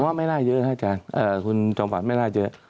ผมว่าไม่น่าเยอะนะอาจารย์คุณจองฟันไม่น่าเยอะ